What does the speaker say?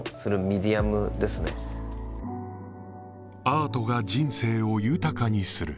アートが人生を豊かにする